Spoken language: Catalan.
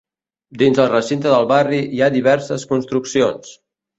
Dins el recinte del barri hi ha diverses construccions.